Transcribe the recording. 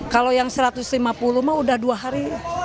kalau yang satu ratus lima puluh mah udah dua hari